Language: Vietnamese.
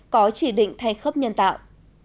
có chỉ định thay khắp nhân tạo